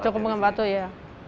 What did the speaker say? cukup menggabantu ya